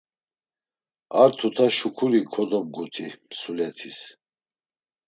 Ar tuta şuǩuri kodobguti Msuletis.